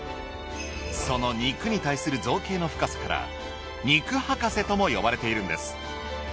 その肉に対する造詣の深さから肉博士ともよばれているんです。